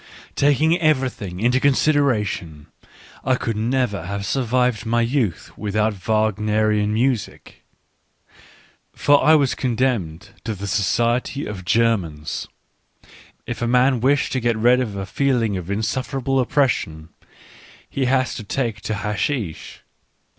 Taking everything into consideration, I could never have survived my youth without Wagnerian music. For I was condemned to the society of Germans. If a man wish to get rid of a feeling of insufferable oppression, he has to take to hashish.